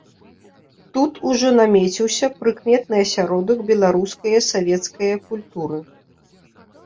Тут ужо намеціўся прыкметны асяродак беларускае савецкае культуры.